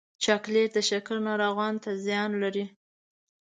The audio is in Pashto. چاکلېټ د شکر ناروغانو ته زیان لري.